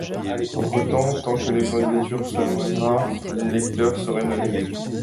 Entre-temps, tant que les candidatures seraient rares, des 'lecteurs' seraient nommés.